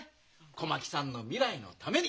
小牧さんの未来のために。